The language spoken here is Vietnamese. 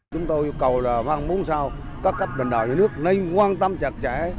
chúng tôi yêu cầu là hoang bốn sao các cấp đoàn đảo nước nên quan tâm chặt chẽ